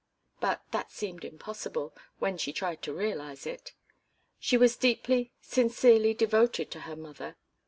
But that seemed impossible, when she tried to realize it. She was deeply, sincerely devoted to her mother.